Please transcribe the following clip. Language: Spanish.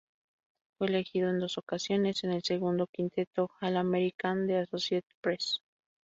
Fue elegido en dos ocasiones en el segundo quinteto All-American de Associated Press.